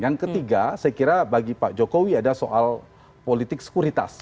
yang ketiga saya kira bagi pak jokowi ada soal politik sekuritas